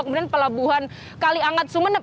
kemudian pelabuhan kaliangat sumeneb